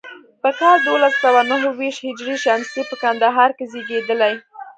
په کال دولس سوه نهو ویشت هجري شمسي په کندهار کې زیږېدلی.